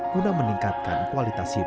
mudah meningkatkan kualitas hidup